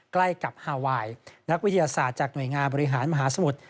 ใกล้กับฮาไวน์นักวิทยาศาสตร์จากหน่วยงานบริหารมหาสมุทร